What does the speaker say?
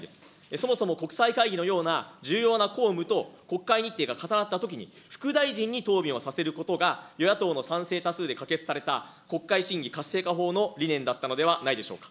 そもそも国際会議のような重要な公務と国会日程が重なったときに、副大臣に答弁をさせることが、与野党の賛成多数で可決された国会審議活性化法の理念だったのではないでしょうか。